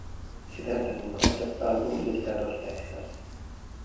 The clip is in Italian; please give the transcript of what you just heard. Si tratta di un concept album dedicato al Texas.